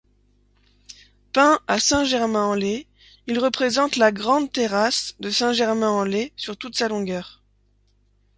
Peint à Saint-Germain-en-Laye, il représente la grande terrasse de Saint-Germain-en-Laye sur toute sa longueur.